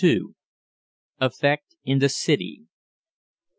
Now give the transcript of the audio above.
EFFECT IN THE CITY.